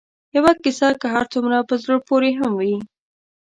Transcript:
یوه کیسه که هر څومره په زړه پورې هم وي